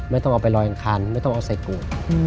ไม่ต้องเอาไปลอยอังคารไม่ต้องเอาใส่กู